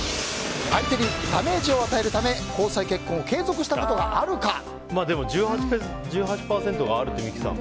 相手にダメージを与えるために交際・結婚を１８％があるって、三木さん。